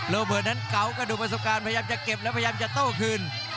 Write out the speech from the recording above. เปิดนั้นเก๋ากระดูกประสบการณ์พยายามจะเก็บแล้วพยายามจะโต้คืน